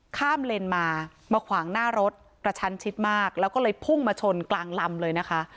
เลนมามาขวางหน้ารถกระชันชิดมากแล้วก็เลยพุ่งมาชนกลางลำเลยนะคะ